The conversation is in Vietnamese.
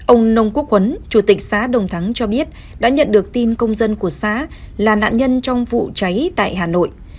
ông nông quốc huấn chủ tịch xã đồng thắng cho biết đã nhận được tin công dân của xã là nạn nhân trong vụ cháy tại hà nội